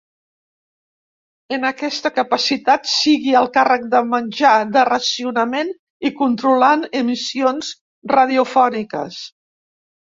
En aquesta capacitat sigui al càrrec de menjar de racionament i controlant emissions radiofòniques.